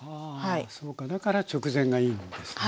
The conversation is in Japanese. そうかだから直前がいいんですね。